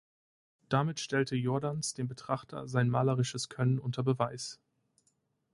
Damit stellte Jordaens dem Betrachter sein malerisches Können unter Beweis.